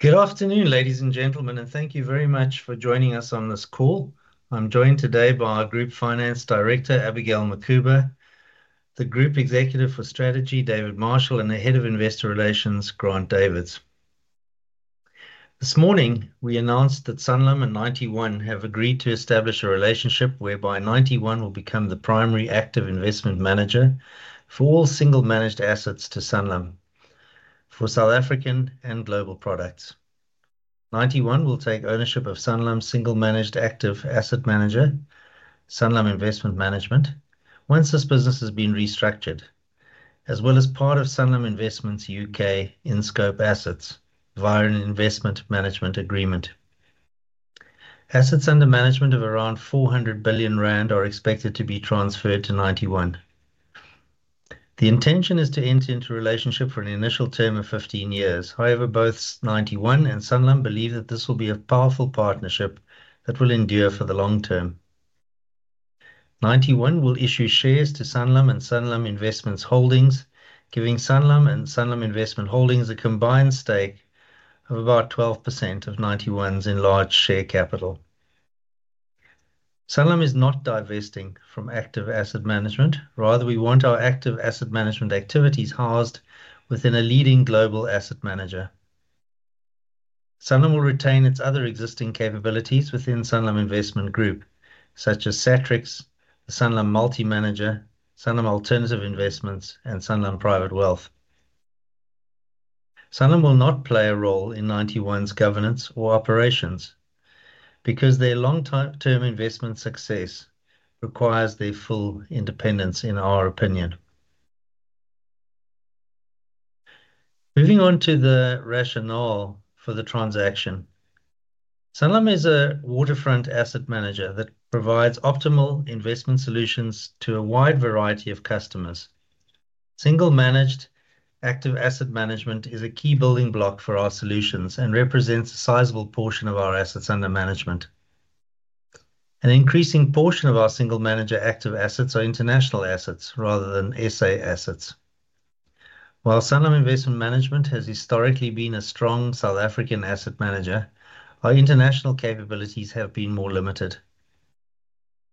Good afternoon, ladies and gentlemen, and thank you very much for joining us on this call. I'm joined today by our Group Finance Director, Abigail Mukhuba, the Group Executive for Strategy, David Marshall, and the Head of Investor Relations, Grant Davids. This morning, we announced that Sanlam and Ninety One have agreed to establish a relationship whereby Ninety One will become the primary active investment manager for all single-managed assets to Sanlam for South African and global products. Ninety One will take ownership of Sanlam's single-managed active asset manager, Sanlam Investment Management, once this business has been restructured, as well as part of Sanlam Investments UK in-scope assets via an investment management agreement. Assets under management of around 400 billion rand are expected to be transferred to Ninety One. The intention is to enter into a relationship for an initial term of 15 years. However, both Ninety One and Sanlam believe that this will be a powerful partnership that will endure for the long term. Ninety One will issue shares to Sanlam and Sanlam Investment Holdings, giving Sanlam and Sanlam Investment Holdings a combined stake of about 12% of Ninety One's enlarged share capital. Sanlam is not divesting from active asset management. Rather, we want our active asset management activities housed within a leading global asset manager. Sanlam will retain its other existing capabilities within Sanlam Investment Group, such as Satrix, Sanlam Multi-Manager, Sanlam Alternative Investments, and Sanlam Private Wealth. Sanlam will not play a role in Ninety One's governance or operations because their long-term investment success requires their full independence, in our opinion. Moving on to the rationale for the transaction, Sanlam is a waterfront asset manager that provides optimal investment solutions to a wide variety of customers. Single-managed active asset management is a key building block for our solutions and represents a sizable portion of our assets under management. An increasing portion of our single-manager active assets are international assets rather than SA assets. While Sanlam Investment Management has historically been a strong South African asset manager, our international capabilities have been more limited.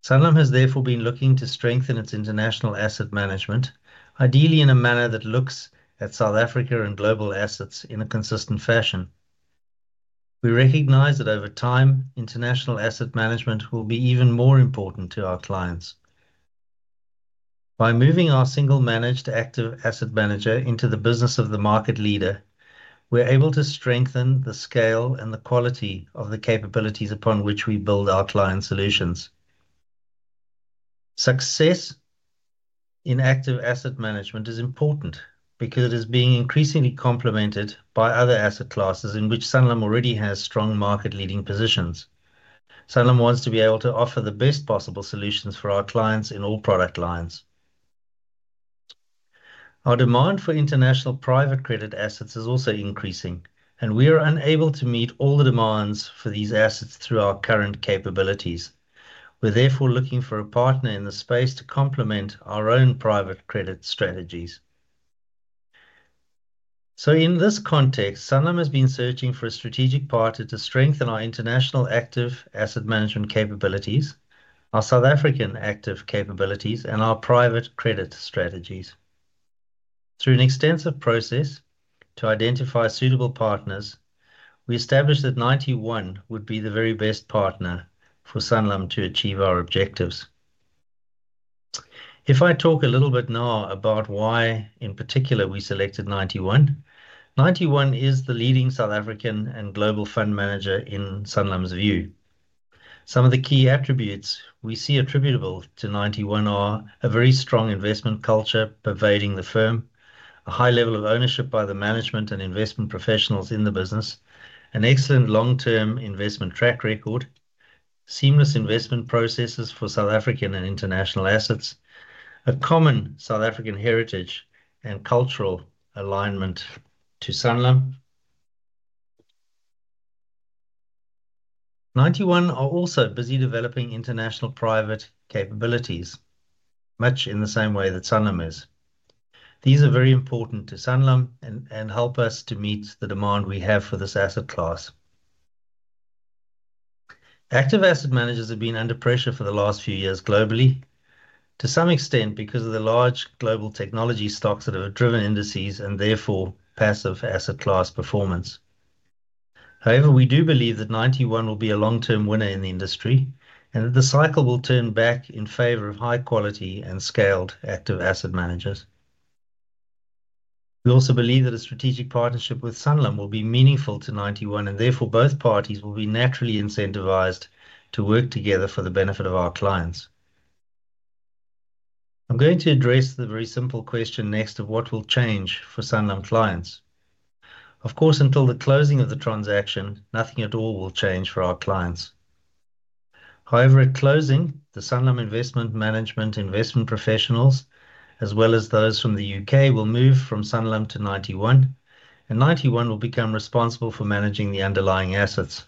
Sanlam has therefore been looking to strengthen its international asset management, ideally in a manner that looks at South Africa and global assets in a consistent fashion. We recognize that over time, international asset management will be even more important to our clients. By moving our single-managed active asset manager into the business of the market leader, we're able to strengthen the scale and the quality of the capabilities upon which we build our client solutions. Success in active asset management is important because it is being increasingly complemented by other asset classes in which Sanlam already has strong market-leading positions. Sanlam wants to be able to offer the best possible solutions for our clients in all product lines. Our demand for international private credit assets is also increasing, and we are unable to meet all the demands for these assets through our current capabilities. We're therefore looking for a partner in the space to complement our own private credit strategies. So, in this context, Sanlam has been searching for a strategic partner to strengthen our international active asset management capabilities, our South African active capabilities, and our private credit strategies. Through an extensive process to identify suitable partners, we established that Ninety One would be the very best partner for Sanlam to achieve our objectives. If I talk a little bit now about why, in particular, we selected Ninety One, Ninety One is the leading South African and global fund manager in Sanlam's view. Some of the key attributes we see attributable to Ninety One are a very strong investment culture pervading the firm, a high level of ownership by the management and investment professionals in the business, an excellent long-term investment track record, seamless investment processes for South African and international assets, a common South African heritage and cultural alignment to Sanlam. Ninety One are also busy developing international private capabilities, much in the same way that Sanlam is. These are very important to Sanlam and help us to meet the demand we have for this asset class. Active asset managers have been under pressure for the last few years globally, to some extent because of the large global technology stocks that have driven indices and therefore passive asset class performance. However, we do believe that Ninety One will be a long-term winner in the industry and that the cycle will turn back in favor of high-quality and scaled active asset managers. We also believe that a strategic partnership with Sanlam will be meaningful to Ninety One, and therefore both parties will be naturally incentivized to work together for the benefit of our clients. I'm going to address the very simple question next of what will change for Sanlam clients. Of course, until the closing of the transaction, nothing at all will change for our clients. However, at closing, the Sanlam Investment Management investment professionals, as well as those from the U.K., will move from Sanlam to Ninety One, and Ninety One will become responsible for managing the underlying assets.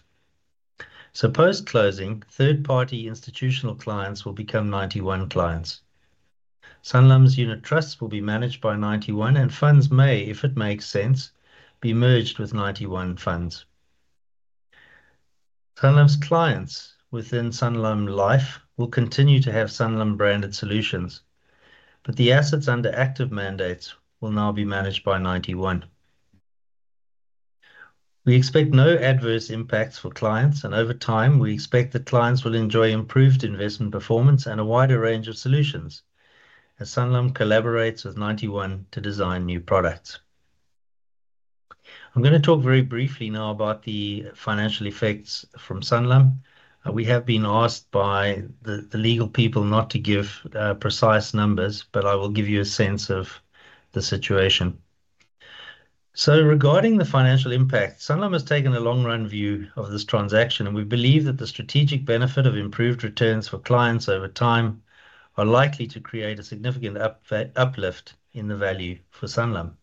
So, post-closing, third-party institutional clients will become Ninety One clients. Sanlam's unit trusts will be managed by Ninety One, and funds may, if it makes sense, be merged with Ninety One funds. Sanlam's clients within Sanlam Life will continue to have Sanlam-branded solutions, but the assets under active mandates will now be managed by Ninety One. We expect no adverse impacts for clients, and over time, we expect that clients will enjoy improved investment performance and a wider range of solutions as Sanlam collaborates with Ninety One to design new products. I'm going to talk very briefly now about the financial effects from Sanlam. We have been asked by the legal people not to give precise numbers, but I will give you a sense of the situation. So, regarding the financial impact, Sanlam has taken a long-run view of this transaction, and we believe that the strategic benefit of improved returns for clients over time are likely to create a significant uplift in the value for Sanlam.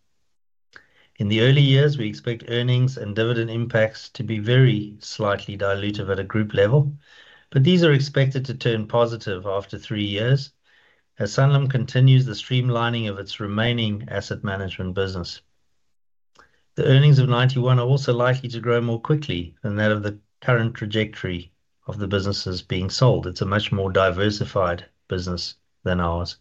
In the early years, we expect earnings and dividend impacts to be very slightly dilutive at a group level, but these are expected to turn positive after three years as Sanlam continues the streamlining of its remaining asset management business. The earnings of Ninety One are also likely to grow more quickly than that of the current trajectory of the businesses being sold. It's a much more diversified business than ours.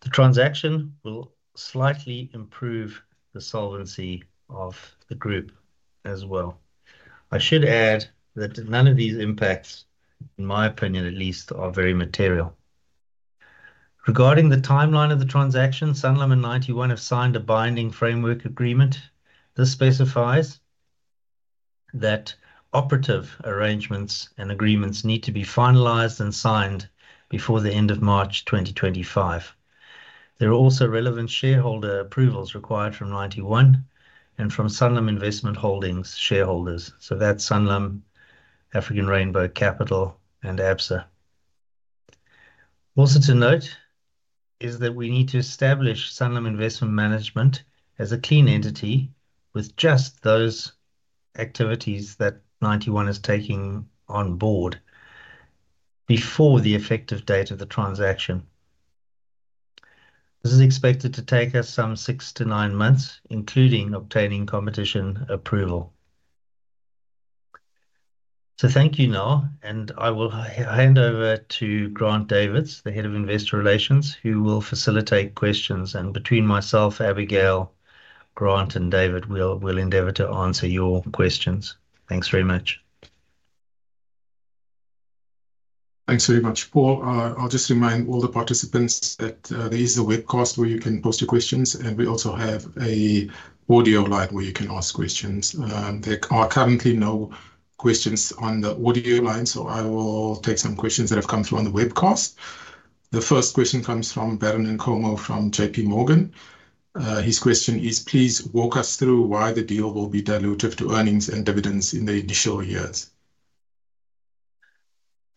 The transaction will slightly improve the solvency of the group as well. I should add that none of these impacts, in my opinion at least, are very material. Regarding the timeline of the transaction, Sanlam and Ninety One have signed a binding Framework Agreement. This specifies that operative arrangements and agreements need to be finalized and signed before the end of March 2025. There are also relevant shareholder approvals required from Ninety One and from Sanlam Investment Holdings shareholders. So, that's Sanlam, African Rainbow Capital, and Absa. Also to note is that we need to establish Sanlam Investment Management as a clean entity with just those activities that Ninety One is taking on board before the effective date of the transaction. This is expected to take us some six to nine months, including obtaining competition approval. So, thank you now, and I will hand over to Grant Davids, the Head of Investor Relations, who will facilitate questions. Between myself, Abigail, Grant, and David, we'll endeavor to answer your questions. Thanks very much. Thanks very much, Paul. I'll just remind all the participants that there is a webcast where you can post your questions, and we also have an audio line where you can ask questions. There are currently no questions on the audio line, so I will take some questions that have come through on the webcast. The first question comes from Baron Nkomo from JPMorgan. His question is, "Please walk us through why the deal will be dilutive to earnings and dividends in the initial years."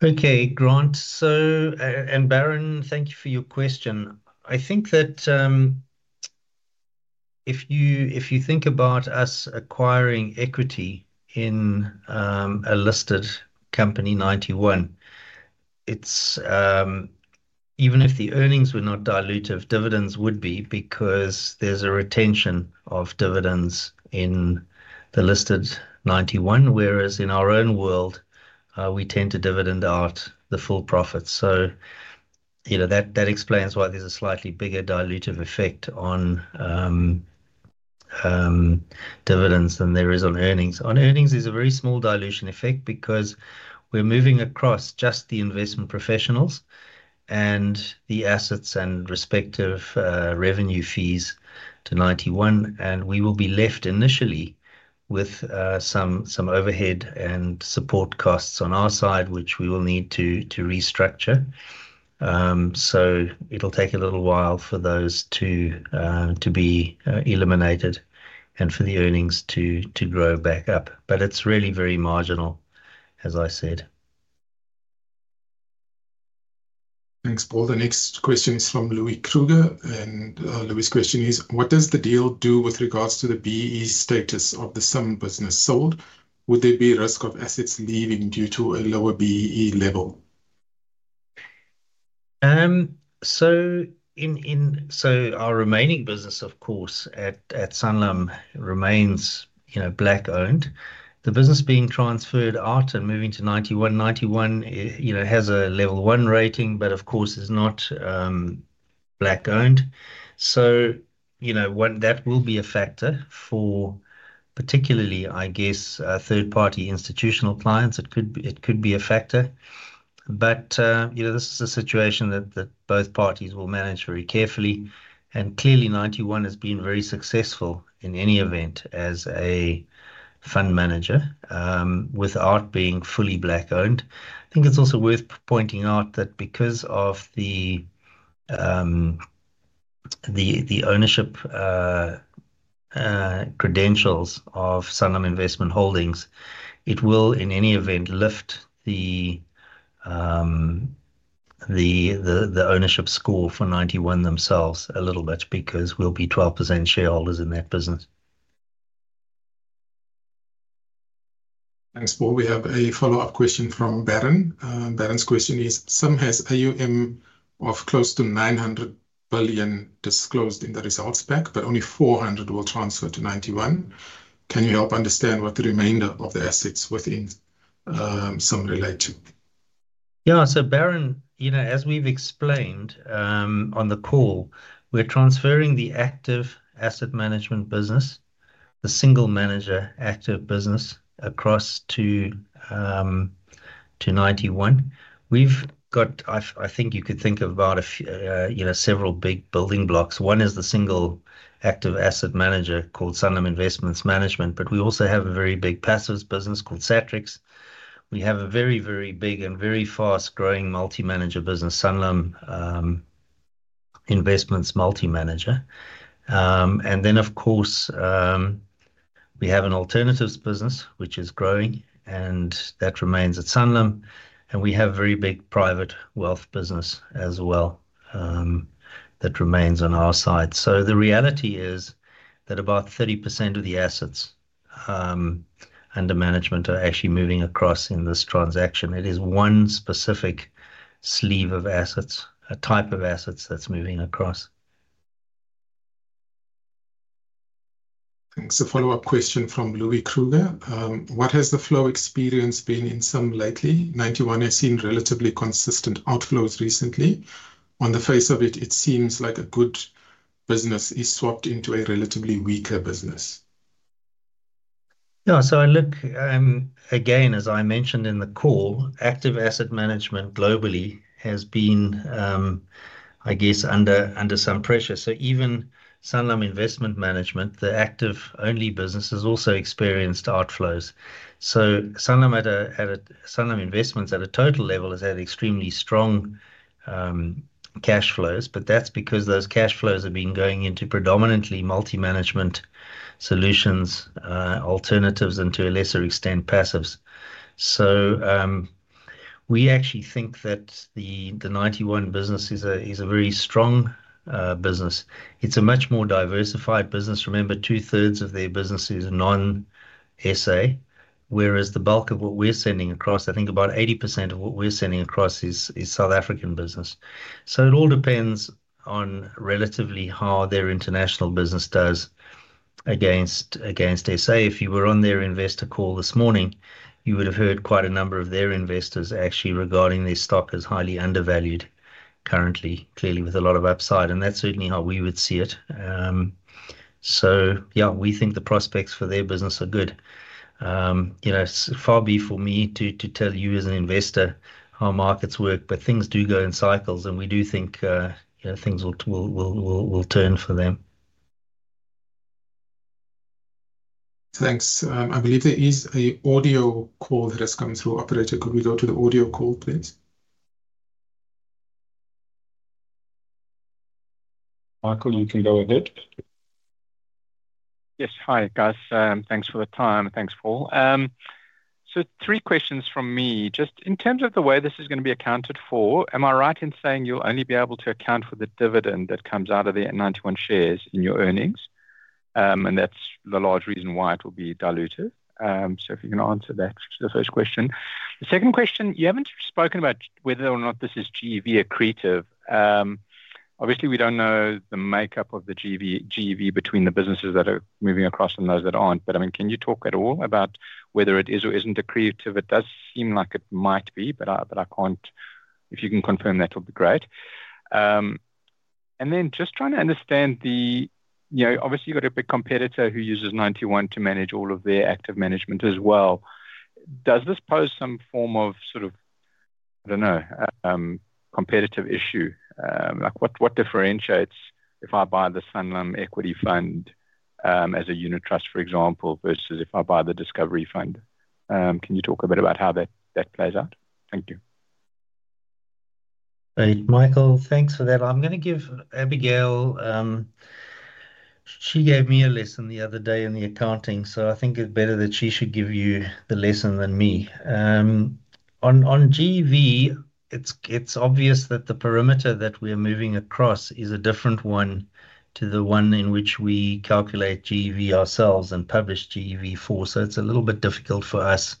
Okay, Grant. So, and Baron, thank you for your question. I think that if you think about us acquiring equity in a listed company, Ninety One, even if the earnings were not dilutive, dividends would be because there's a retention of dividends in the listed Ninety One, whereas in our own world, we tend to dividend out the full profits. So, you know, that explains why there's a slightly bigger dilutive effect on dividends than there is on earnings. On earnings, there's a very small dilution effect because we're moving across just the investment professionals and the assets and respective revenue fees to Ninety One, and we will be left initially with some overhead and support costs on our side, which we will need to restructure. So, it'll take a little while for those to be eliminated and for the earnings to grow back up, but it's really very marginal, as I said. Thanks, Paul. The next question is from Louis Kruger, and Louis' question is, "What does the deal do with regards to the BEE status of the SIM business sold? Would there be a risk of assets leaving due to a lower BEE level?" So, our remaining business, of course, at Sanlam remains, you know, Black-owned. The business being transferred out and moving to Ninety One, Ninety One, you know, has a Level 1 rating, but of course, is not Black-owned. So, you know, that will be a factor for particularly, I guess, third-party institutional clients. It could be a factor, but you know, this is a situation that both parties will manage very carefully. And clearly, Ninety One has been very successful in any event as a fund manager without being fully Black-owned. I think it's also worth pointing out that because of the ownership credentials of Sanlam Investment Holdings, it will, in any event, lift the ownership score for Ninety One themselves a little bit because we'll be 12% shareholders in that business. Thanks, Paul. We have a follow-up question from Baron. Baron's question is, "Sum has AUM of close to 900 billion disclosed in the results pack, but only 400 billion will transfer to Ninety One. Can you help understand what the remainder of the assets within SIM relate to? Yeah, so Baron, you know, as we've explained on the call, we're transferring the active asset management business, the single-manager active business, across to Ninety One. We've got, I think you could think of about, you know, several big building blocks. One is the single active asset manager called Sanlam Investment Management, but we also have a very big passive business called Satrix. We have a very, very big and very fast-growing multi-manager business, Sanlam Investments Multi-Manager. And then, of course, we have an alternatives business, which is growing, and that remains at Sanlam. And we have a very big private wealth business as well that remains on our side. So, the reality is that about 30% of the assets under management are actually moving across in this transaction. It is one specific sleeve of assets, a type of assets that's moving across. Thanks. A follow-up question from Louis Kruger. "What has the flow experience been in SIM lately? Ninety One has seen relatively consistent outflows recently. On the face of it, it seems like a good business is swapped into a relatively weaker business. Yeah, so I look, again, as I mentioned in the call, active asset management globally has been, I guess, under some pressure. So, even Sanlam Investment Management, the active-only business, has also experienced outflows. So, Sanlam Investments, at a total level, has had extremely strong cash flows, but that's because those cash flows have been going into predominantly multi-management solutions, alternatives, and to a lesser extent, passives. So, we actually think that the Ninety One business is a very strong business. It's a much more diversified business. Remember, 2/3 of their business is non-SA, whereas the bulk of what we're sending across, I think about 80% of what we're sending across is South African business. So, it all depends on relatively how their international business does against SA. If you were on their investor call this morning, you would have heard quite a number of their investors actually regarding their stock as highly undervalued currently, clearly with a lot of upside. And that's certainly how we would see it. So, yeah, we think the prospects for their business are good. You know, far be for me to tell you as an investor how markets work, but things do go in cycles, and we do think, you know, things will turn for them. Thanks. I believe there is an audio call that has come through. Operator, could we go to the audio call, please? Michael, you can go ahead. Yes, hi, guys. Thanks for the time. Thanks, Paul. So, three questions from me. Just in terms of the way this is going to be accounted for, am I right in saying you'll only be able to account for the dividend that comes out of the Ninety One shares in your earnings? And that's the large reason why it will be dilutive. So, if you can answer that, the first question. The second question, you haven't spoken about whether or not this is GEV-accretive. Obviously, we don't know the makeup of the GEV between the businesses that are moving across and those that aren't, but I mean, can you talk at all about whether it is or isn't accretive? It does seem like it might be, but I can't. If you can confirm, that would be great. And then just trying to understand the, you know, obviously, you've got a big competitor who uses Ninety One to manage all of their active management as well. Does this pose some form of sort of, I don't know, competitive issue? Like, what differentiates if I buy the Sanlam Equity Fund as a unit trust, for example, versus if I buy the Discovery Fund? Can you talk a bit about how that plays out? Thank you. Thanks, Michael. Thanks for that. I'm going to give Abigail - she gave me a lesson the other day in the accounting, so I think it's better that she should give you the lesson than me. On GEV, it's obvious that the parameter that we're moving across is a different one to the one in which we calculate GEV ourselves and publish GEV for. So, it's a little bit difficult for us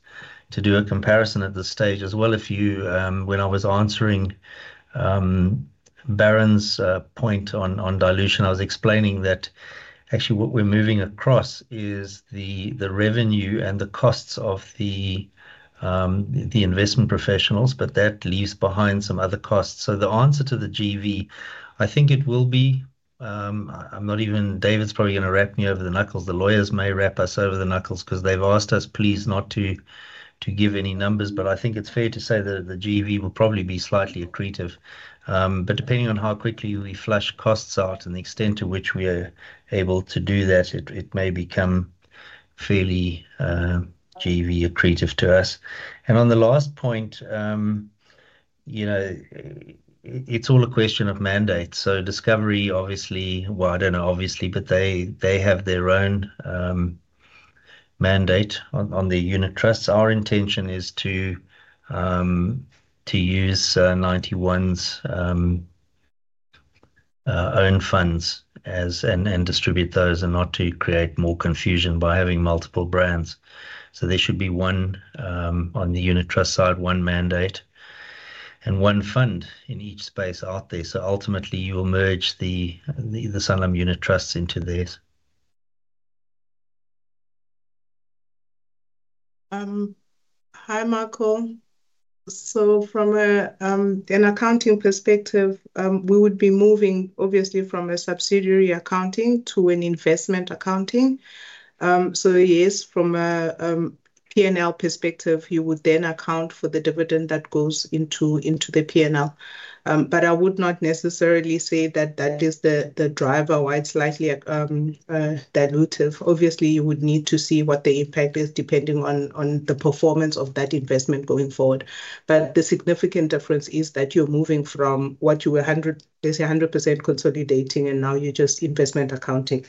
to do a comparison at this stage as well. If you - when I was answering Baron's point on dilution, I was explaining that actually what we're moving across is the revenue and the costs of the investment professionals, but that leaves behind some other costs. So, the answer to the GEV, I think it will be - I'm not even - David's probably going to wrap me over the knuckles. The lawyers may wrap us over the knuckles because they've asked us, please, not to give any numbers, but I think it's fair to say that the GEV will probably be slightly accretive, but depending on how quickly we flush costs out and the extent to which we are able to do that, it may become fairly GEV-accretive to us, and on the last point, you know, it's all a question of mandate, so, Discovery, obviously - well, I don't know, obviously, but they have their own mandate on their unit trusts. Our intention is to use Ninety One's own funds and distribute those and not to create more confusion by having multiple brands. So, there should be one on the unit trust side, one mandate, and one fund in each space out there, so, ultimately, you'll merge the Sanlam unit trusts into this. Hi, Michael. So, from an accounting perspective, we would be moving, obviously, from a subsidiary accounting to an investment accounting. So, yes, from a P&L perspective, you would then account for the dividend that goes into the P&L. But I would not necessarily say that that is the driver why it's slightly dilutive. Obviously, you would need to see what the impact is depending on the performance of that investment going forward. But the significant difference is that you're moving from what you were 100% consolidating, and now you're just investment accounting.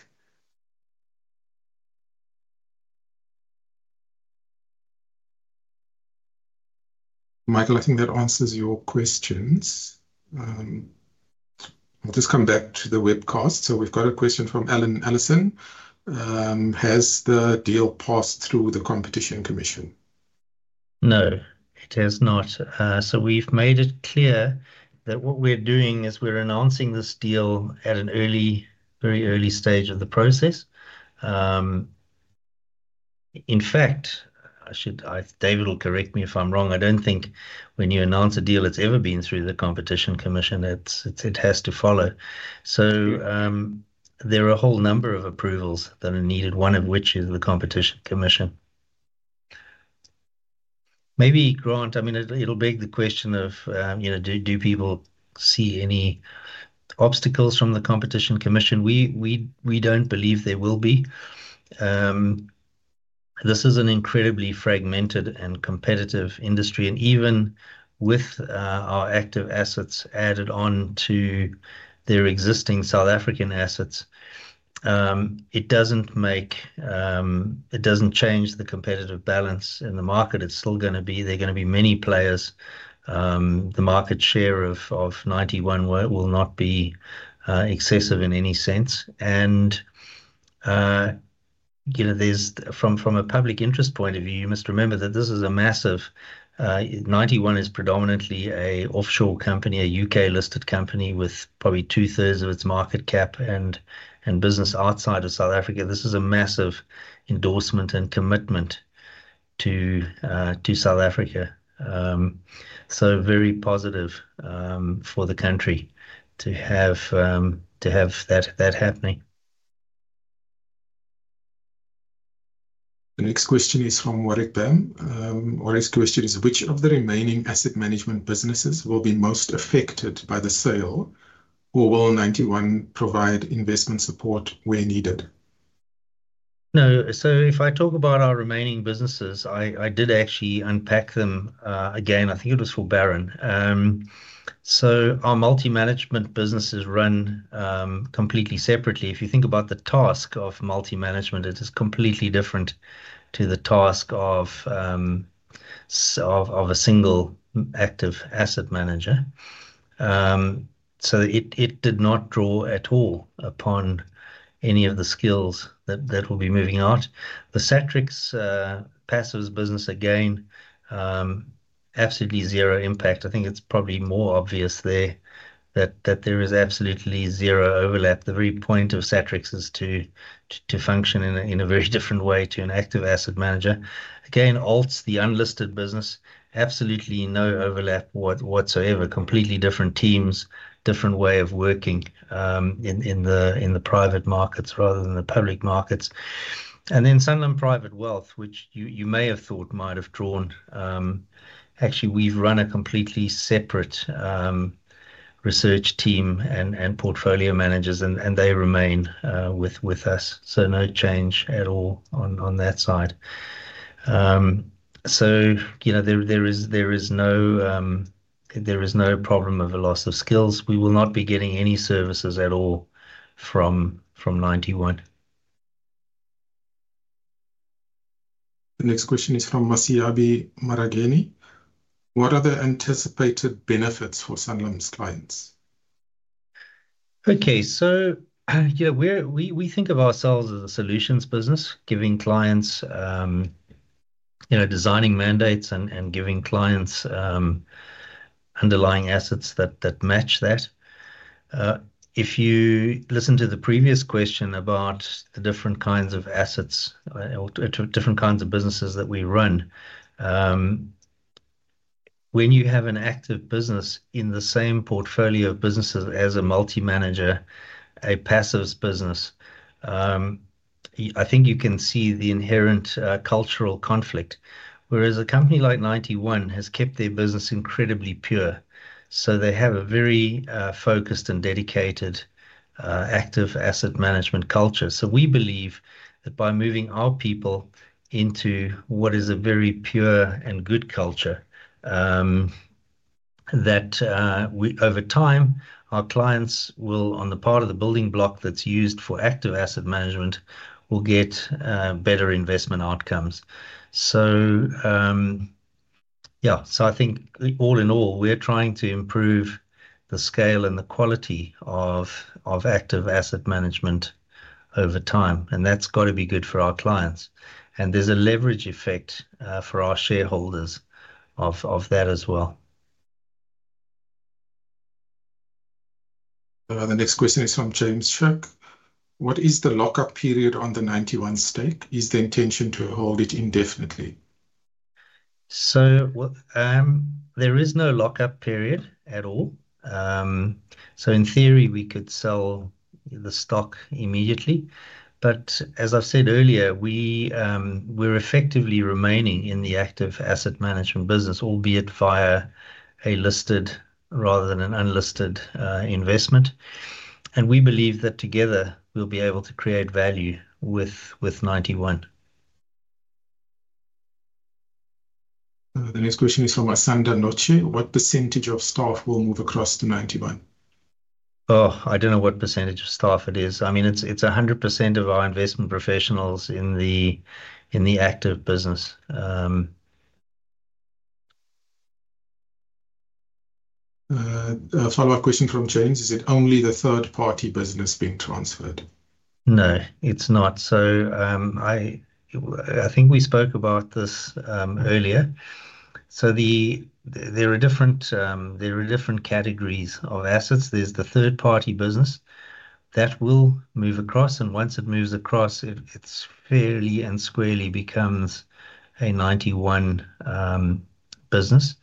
Michael, I think that answers your questions. I'll just come back to the webcast. So, we've got a question from Ellen Ellison. "Has the deal passed through the Competition Commission?" No, it has not. So, we've made it clear that what we're doing is we're announcing this deal at an early, very early stage of the process. In fact, David will correct me if I'm wrong. I don't think when you announce a deal, it's ever been through the Competition Commission. It has to follow. So, there are a whole number of approvals that are needed, one of which is the Competition Commission. Maybe, Grant, I mean, it'll beg the question of, you know, do people see any obstacles from the Competition Commission? We don't believe there will be. This is an incredibly fragmented and competitive industry, and even with our active assets added on to their existing South African assets, it doesn't change the competitive balance in the market. It's still going to be. There are going to be many players. The market share of Ninety One will not be excessive in any sense. And, you know, from a public interest point of view, you must remember that this is a massive, Ninety One is predominantly an offshore company, a U.K.-listed company with probably 2/3 of its market cap and business outside of South Africa. This is a massive endorsement and commitment to South Africa. So, very positive for the country to have that happening. The next question is from Warwick Bam. Warwick's question is, "Which of the remaining asset management businesses will be most affected by the sale, or will Ninety One provide investment support where needed? No. So, if I talk about our remaining businesses, I did actually unpack them again. I think it was for Baron. So, our multi-management businesses run completely separately. If you think about the task of multi-management, it is completely different to the task of a single active asset manager. So, it did not draw at all upon any of the skills that will be moving out. The Satrix passive business, again, absolutely zero impact. I think it's probably more obvious there that there is absolutely zero overlap. The very point of Satrix is to function in a very different way to an active asset manager. Again, Alternatives, the unlisted business, absolutely no overlap whatsoever. Completely different teams, different way of working in the private markets rather than the public markets. And then Sanlam Private Wealth, which you may have thought might have drawn, actually, we've run a completely separate research team and portfolio managers, and they remain with us. So, no change at all on that side. So, you know, there is no problem of a loss of skills. We will not be getting any services at all from Ninety One. The next question is from Maseabi Marageni. "What are the anticipated benefits for Sanlam's clients?" Okay, so, yeah, we think of ourselves as a solutions business, giving clients, you know, designing mandates and giving clients underlying assets that match that. If you listen to the previous question about the different kinds of assets or different kinds of businesses that we run, when you have an active business in the same portfolio of businesses as a multi-manager, a passive business, I think you can see the inherent cultural conflict. Whereas a company like Ninety One has kept their business incredibly pure, so they have a very focused and dedicated active asset management culture. So, we believe that by moving our people into what is a very pure and good culture, that over time, our clients will, on the part of the building block that's used for active asset management, will get better investment outcomes. I think all in all, we're trying to improve the scale and the quality of active asset management over time, and that's got to be good for our clients, and there's a leverage effect for our shareholders of that as well. The next question is from James Shuck. "What is the lockup period on the Ninety One stake? Is there intention to hold it indefinitely?" So, there is no lockup period at all. So, in theory, we could sell the stock immediately. But as I've said earlier, we're effectively remaining in the active asset management business, albeit via a listed rather than an unlisted investment. And we believe that together, we'll be able to create value with Ninety One. The next question is from Asanda Notshe. "What percentage of staff will move across to Ninety One?" Oh, I don't know what percentage of staff it is. I mean, it's 100% of our investment professionals in the active business. A follow-up question from James. "Is it only the third-party business being transferred?" No, it's not. So, I think we spoke about this earlier. So, there are different categories of assets. There's the third-party business that will move across, and once it moves across, it fairly and squarely becomes a Ninety One business.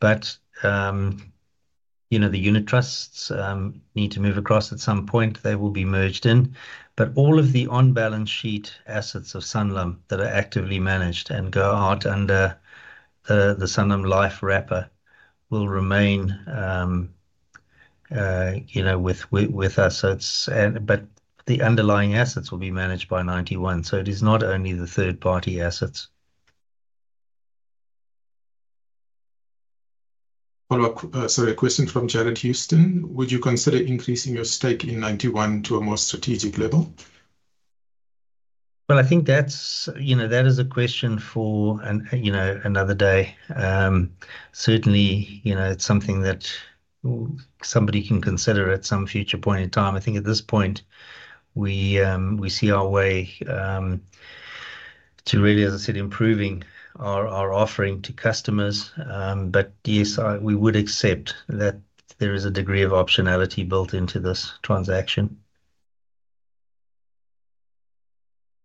But, you know, the unit trusts need to move across at some point. They will be merged in. But all of the on-balance sheet assets of Sanlam that are actively managed and go out under the Sanlam Life wrapper will remain, you know, with us. But the underlying assets will be managed by Ninety One. So, it is not only the third-party assets. Follow-up, sorry, a question from Janet Houston. "Would you consider increasing your stake in Ninety One to a more strategic level?" I think that's, you know, that is a question for, you know, another day. Certainly, you know, it's something that somebody can consider at some future point in time. I think at this point, we see our way to really, as I said, improving our offering to customers. But yes, we would accept that there is a degree of optionality built into this transaction.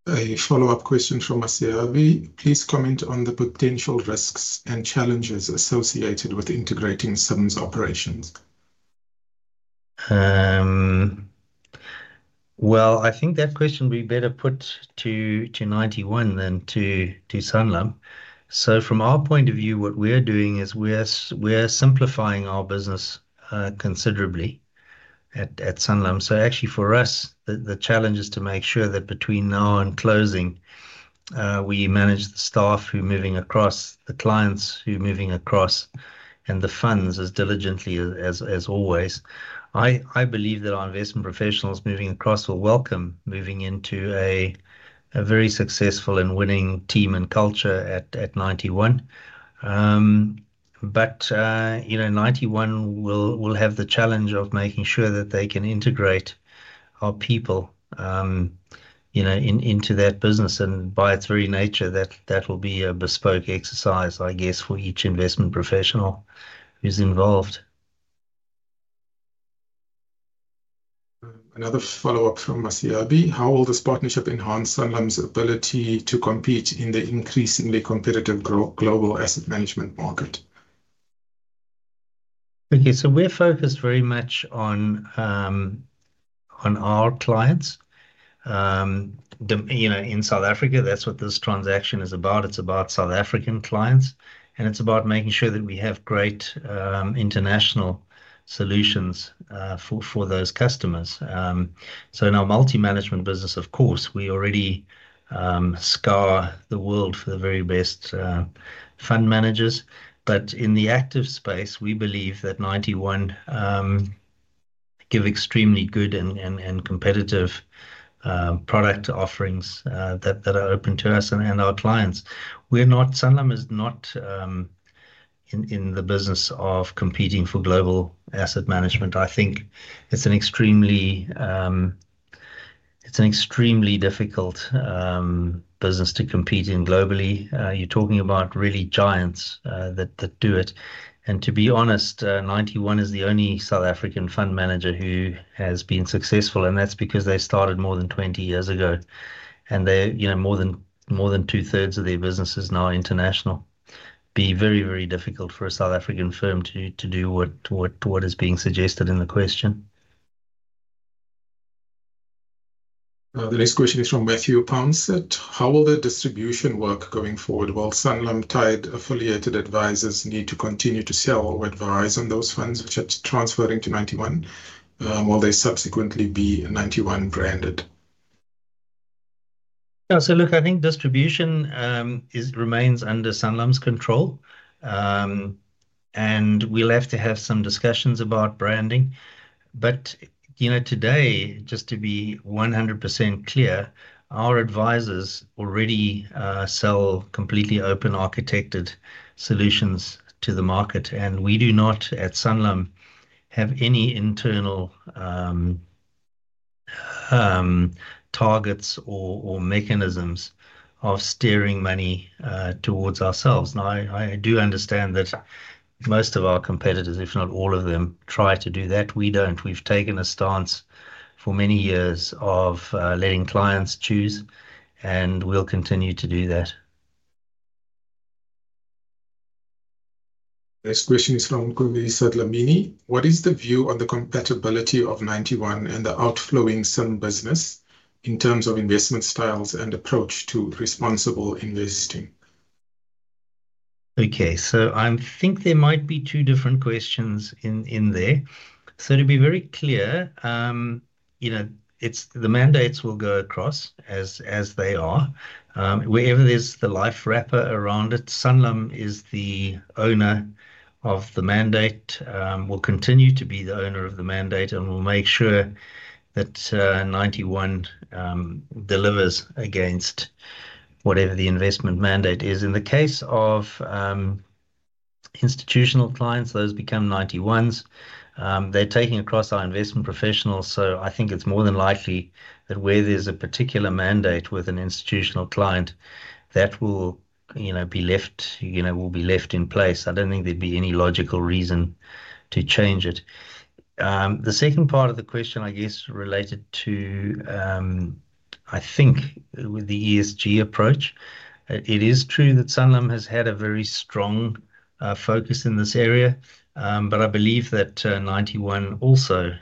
A follow-up question from Maseabi. "Please comment on the potential risks and challenges associated with integrating Sanlam's operations." I think that question would be better put to Ninety One than to Sanlam. From our point of view, what we're doing is we're simplifying our business considerably at Sanlam. Actually, for us, the challenge is to make sure that between now and closing, we manage the staff who are moving across, the clients who are moving across, and the funds as diligently as always. I believe that our investment professionals moving across will welcome moving into a very successful and winning team and culture at Ninety One. You know, Ninety One will have the challenge of making sure that they can integrate our people, you know, into that business. By its very nature, that will be a bespoke exercise, I guess, for each investment professional who's involved. Another follow-up from Maseabi. "How will this partnership enhance Sanlam's ability to compete in the increasingly competitive global asset management market?" Okay, so we're focused very much on our clients. You know, in South Africa, that's what this transaction is about. It's about South African clients, and it's about making sure that we have great international solutions for those customers. So, in our multi-management business, of course, we already scour the world for the very best fund managers. But in the active space, we believe that Ninety One gives extremely good and competitive product offerings that are open to us and our clients. Sanlam is not in the business of competing for global asset management. I think it's an extremely difficult business to compete in globally. You're talking about really giants that do it, and to be honest, Ninety One is the only South African fund manager who has been successful, and that's because they started more than 20 years ago. They're, you know, more than 2/3 of their business is now international. It'd be very, very difficult for a South African firm to do what is being suggested in the question. The next question is from Matthew Pouncett. "How will the distribution work going forward while Sanlam-tied affiliated advisors need to continue to sell or advise on those funds which are transferring to Ninety One, or will they subsequently be Ninety One-branded? Look, I think distribution remains under Sanlam's control, and we'll have to have some discussions about branding. But, you know, today, just to be 100% clear, our advisors already sell completely open architected solutions to the market, and we do not, at Sanlam, have any internal targets or mechanisms of steering money towards ourselves. Now, I do understand that most of our competitors, if not all of them, try to do that. We don't. We've taken a stance for many years of letting clients choose, and we'll continue to do that. The next question is from Xolisa Dhlamini. "What is the view on the compatibility of Ninety One and the outflowing SIM business in terms of investment styles and approach to responsible investing?" Okay, so I think there might be two different questions in there. So, to be very clear, you know, the mandates will go across as they are. Wherever there's the life wrapper around it, Sanlam is the owner of the mandate, will continue to be the owner of the mandate, and will make sure that Ninety One delivers against whatever the investment mandate is. In the case of institutional clients, those become Ninety Ones. They're taking across our investment professionals, so I think it's more than likely that where there's a particular mandate with an institutional client, that will, you know, be left, you know, will be left in place. I don't think there'd be any logical reason to change it. The second part of the question, I guess, related to, I think, with the ESG approach. It is true that Sanlam has had a very strong focus in this area, but I believe that Ninety One also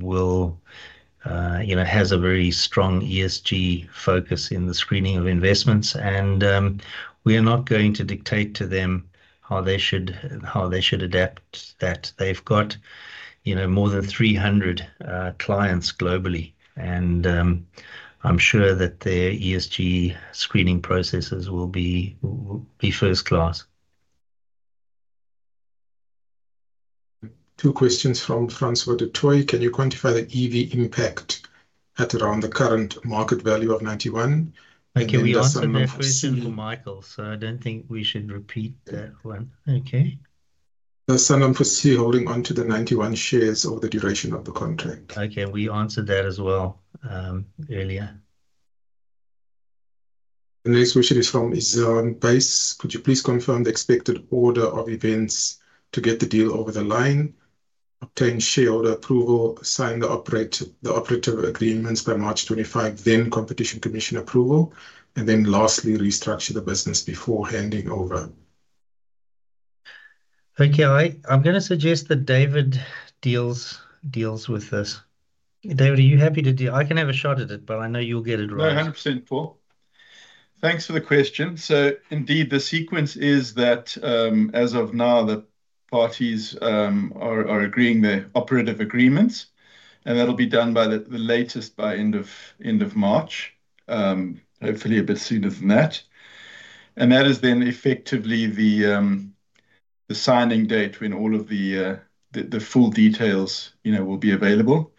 will, you know, has a very strong ESG focus in the screening of investments, and we are not going to dictate to them how they should adapt that. They've got, you know, more than 300 clients globally, and I'm sure that their ESG screening processes will be first class. Two questions from Francois du Toit. "Can you quantify the EV impact at around the current market value of Ninety One?" Okay, we answered that question to Michael, so I don't think we should repeat that one. Okay. Does Sanlam foresee holding onto the Ninety One shares over the duration of the contract? Okay, we answered that as well earlier. The next question is from Izan Pace. "Could you please confirm the expected order of events to get the deal over the line, obtain shareholder approval, sign the operative agreements by March 25, then Competition Commission approval, and then lastly, restructure the business before handing over?" Okay, I'm going to suggest that David deals with this. David, are you happy to do it? I can have a shot at it, but I know you'll get it right. No, 100%, Paul. Thanks for the question. So, indeed, the sequence is that as of now, the parties are agreeing their operative agreements, and that'll be done by the latest by end of March, hopefully a bit sooner than that, and that is then effectively the signing date when all of the full details, you know, will be available.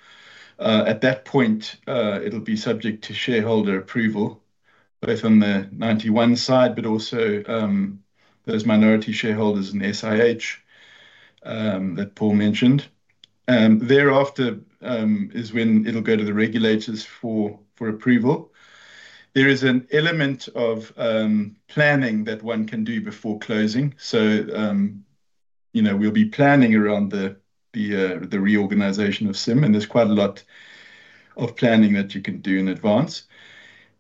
At that point, it'll be subject to shareholder approval, both on the Ninety One side, but also those minority shareholders in SIH that Paul mentioned. Thereafter is when it'll go to the regulators for approval. There is an element of planning that one can do before closing, so, you know, we'll be planning around the reorganization of SIM, and there's quite a lot of planning that you can do in advance,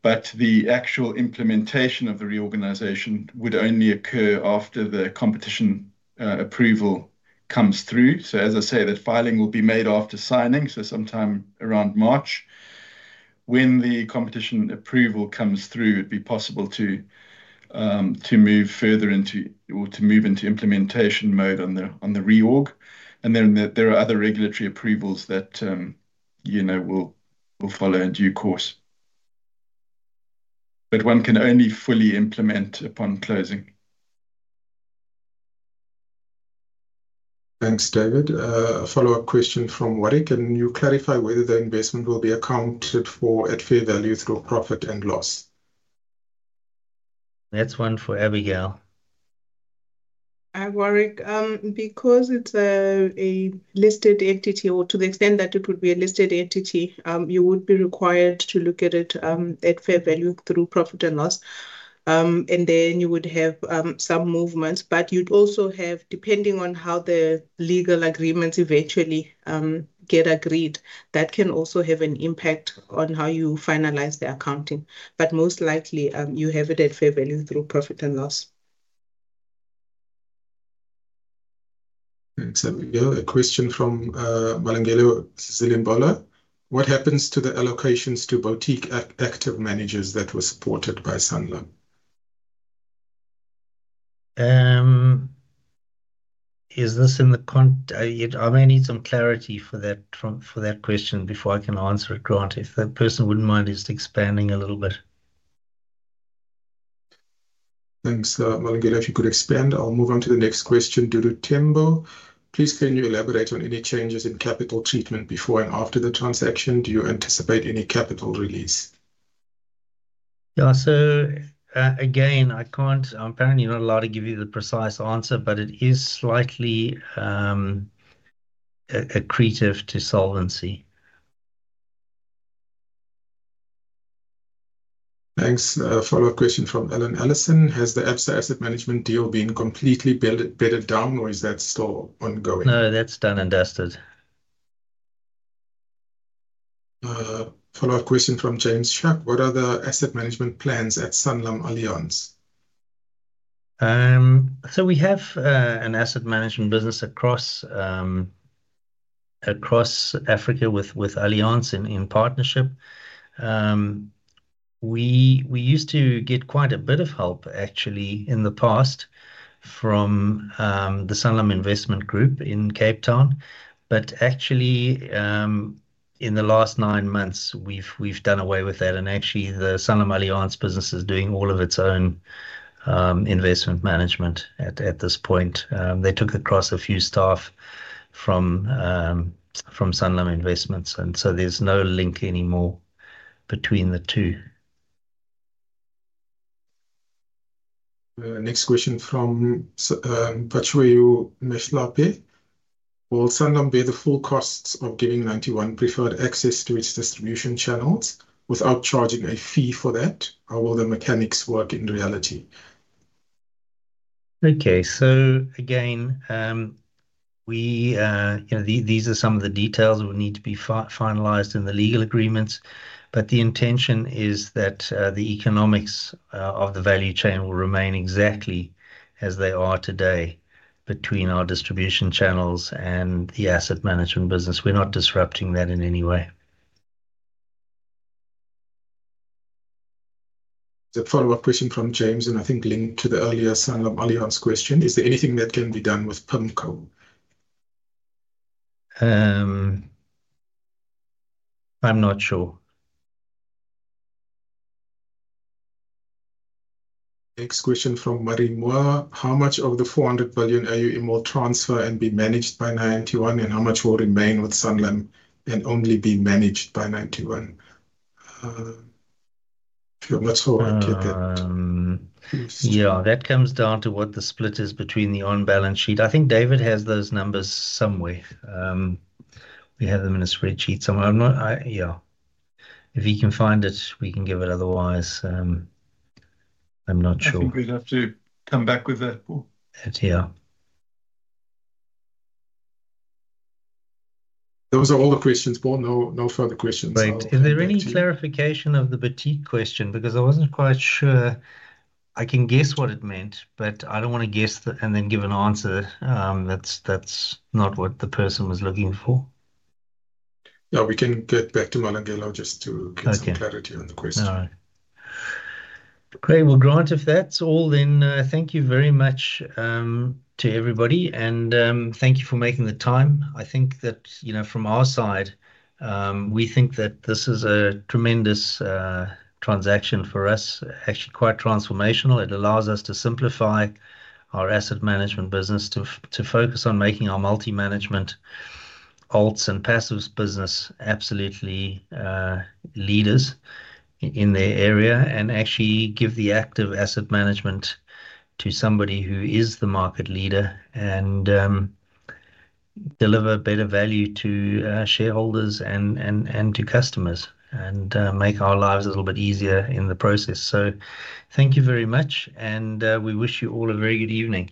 but the actual implementation of the reorganization would only occur after the competition approval comes through. So, as I say, that filing will be made after signing, so sometime around March. When the competition approval comes through, it'd be possible to move further into or to move into implementation mode on the reorg. And then there are other regulatory approvals that, you know, will follow in due course. But one can only fully implement upon closing. Thanks, David. A follow-up question from Warwick. "Can you clarify whether the investment will be accounted for at fair value through profit and loss?" That's one for Abigail. Hi, Warwick. Because it's a listed entity, or to the extent that it would be a listed entity, you would be required to look at it at fair value through profit and loss. Then you would have some movements. But you'd also have, depending on how the legal agreements eventually get agreed, that can also have an impact on how you finalize the accounting. Most likely, you have it at fair value through profit and loss. Thanks, Abigail. A question from Malungelo Zilimbola. "What happens to the allocations to boutique active managers that were supported by Sanlam?" Is this in the context? I may need some clarity for that question before I can answer it, Grant. If the person wouldn't mind just expanding a little bit. Thanks, Malungelo. If you could expand, I'll move on to the next question Dudu Tembo. "Please can you elaborate on any changes in capital treatment before and after the transaction? Do you anticipate any capital release?" Yeah, so again, I can't, I'm apparently not allowed to give you the precise answer, but it is slightly accretive to solvency. Thanks. Follow-up question from Ellen Ellison. "Has the Absa Asset Management deal been completely bedded down, or is that still ongoing?" No, that's done and dusted. Follow-up question from James Shuck. "What are the asset management plans at SanlamAllianz?" So we have an asset management business across Africa with Allianz in partnership. We used to get quite a bit of help, actually, in the past from the Sanlam Investment Group in Cape Town. But actually, in the last nine months, we've done away with that. And actually, the SanlamAllianz business is doing all of its own investment management at this point. They took across a few staff from Sanlam Investments, and so there's no link anymore between the two. Next question from Maseabi Marageni. "Will Sanlam bear the full costs of giving Ninety One preferred access to its distribution channels without charging a fee for that? How will the mechanics work in reality? Okay, so again, we, you know, these are some of the details that would need to be finalized in the legal agreements, but the intention is that the economics of the value chain will remain exactly as they are today between our distribution channels and the asset management business. We're not disrupting that in any way. The follow-up question from James, and I think linked to the earlier SanlamAllianz question. "Is there anything that can be done with PIMCO?" I'm not sure. Next question from Maseabi. "How much of the 400 billion are you able to transfer and be managed by Ninety One, and how much will remain with Sanlam and only be managed by Ninety One?" Yeah, that comes down to what the split is between the on-balance sheet. I think David has those numbers somewhere. We have them in a spreadsheet somewhere. I'm not, yeah, if he can find it, we can give it. Otherwise, I'm not sure. I think we'd have to come back with that, Paul. Yeah. Those are all the questions, Paul. No further questions. Wait, is there any clarification of the boutique question? Because I wasn't quite sure. I can guess what it meant, but I don't want to guess and then give an answer. That's not what the person was looking for. No, we can get back to Malungelo just to get some clarity on the question. Okay. All right. Okay, well, Grant, if that's all, then thank you very much to everybody, and thank you for making the time. I think that, you know, from our side, we think that this is a tremendous transaction for us, actually quite transformational. It allows us to simplify our asset management business to focus on making our multi-management alts and passives business absolutely leaders in their area and actually give the active asset management to somebody who is the market leader and deliver better value to shareholders and to customers and make our lives a little bit easier in the process. So thank you very much, and we wish you all a very good evening.